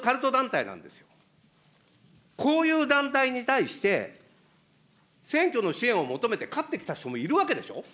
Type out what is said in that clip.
こういう団体に対して、選挙の支援を求めて勝ってきた人もいるわけでしょ。